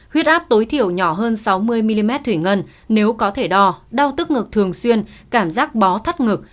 huyết áp tối thiểu nhỏ hơn sáu mươi mm thủy ngân nếu có thể đo đau tức ngực thường xuyên cảm giác bó thắt ngực